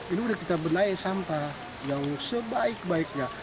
ini sudah kita benahi sampah yang sebaik baiknya